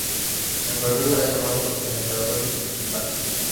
En Perú era llamado "El emperador del timbal".